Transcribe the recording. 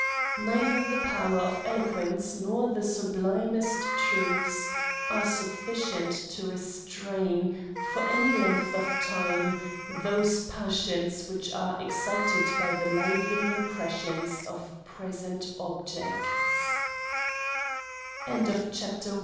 Neither the power of eloquence nor the sublimesjt truths are sufficient to restrain, for any length of time, those passions which are ex» cited by the lively impressions of pr